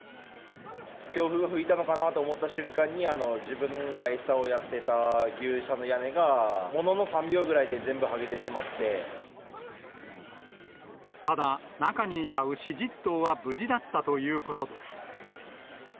強風が吹いたのかな？と思った瞬間に、自分が餌をやってた牛舎の屋根がものの３秒ぐらいで全部、剥げてただ、中にいた牛１０頭は無事だったということです。